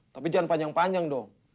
tapi jangan panjang panjang dong